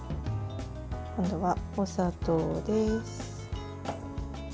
今度は、お砂糖です。